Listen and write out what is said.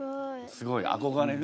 すごい。憧れる？